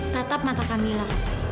tatap mata kak mila